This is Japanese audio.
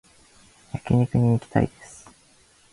焼肉に行きたいです